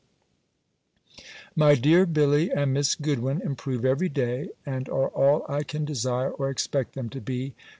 B. My dear Billy, and Miss Goodwin, improve every day, and are all I can desire or expect them to be.